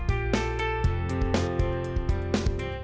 aduh aduh aduh aduh